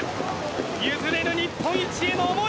譲れぬ日本一への思い